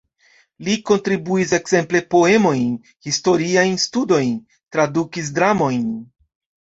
Li kontribuis ekzemple poemojn, historiajn studojn, tradukis dramojn.